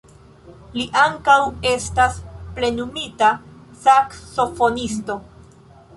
Li ankaŭ estas plenumita saksofonisto.